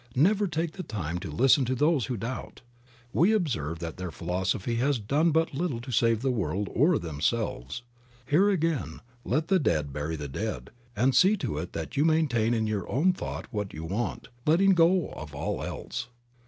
Never take the time to listen to those who doubt. We observe that their philosophy has done but little to save the world or them selves. Here again let the dead bury the dead and see to it that you maintain in your own thought what you want, letting go of all else.